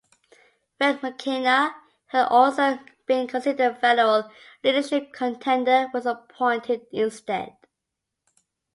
Frank McKenna, who had also been considered a federal leadership contender, was appointed instead.